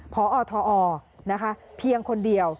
พอทอเพียงคนเดียว